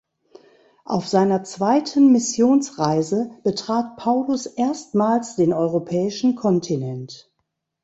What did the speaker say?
Auf seiner zweiten Missionsreise betrat Paulus erstmals den europäischen Kontinent.